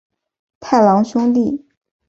太郎兄弟。